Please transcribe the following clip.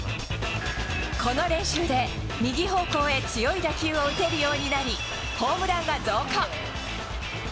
この練習で、右方向へ強い打球を打てるようになり、ホームランが増加。